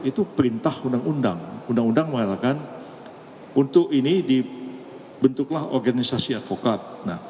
itu perintah undang undang undang mengatakan untuk ini dibentuklah organisasi advokat